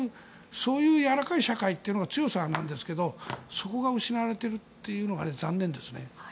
そういうやわらかい社会というのも強さなんですがそこが失われているというのが残念ですね。